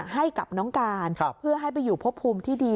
ให้กับน้องการเพื่อให้ไปอยู่พบภูมิที่ดี